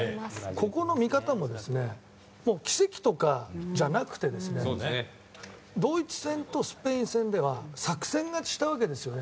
ここの見方も奇跡とかじゃなくてドイツ戦とスペイン戦では作戦勝ちしたわけですよね。